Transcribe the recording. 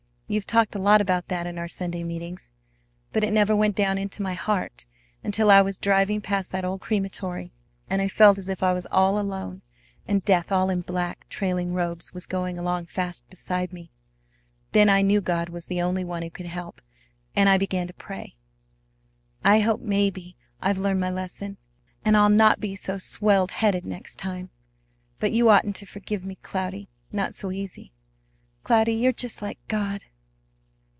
You've talked a lot about that in our Sunday meetings, but it never went down into my heart until I was driving past that old crematory, and I felt as if I was all alone and Death all in black trailing robes was going along fast beside me. Then I knew God was the only one who could help, and I began to pray. I hope maybe I've learned my lesson, and I'll not be so swelled headed next time. But you oughtn't to forgive me, Cloudy, not so easy. Cloudy, you're just like God!"